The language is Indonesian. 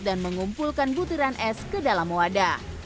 dan mengumpulkan butiran es ke dalam wadah